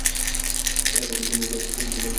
এর পূর্বে তিনি কয়েক বছর হৃদযন্ত্রের রোগে ভুগছিলেন।